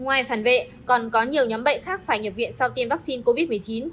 ngoài phản vệ còn có nhiều nhóm bệnh khác phải nhập viện sau tiêm vaccine covid một mươi chín